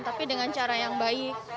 tapi dengan cara yang baik